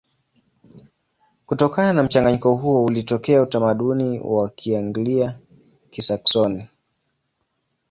Kutokana na mchanganyiko huo ulitokea utamaduni wa Kianglia-Kisaksoni.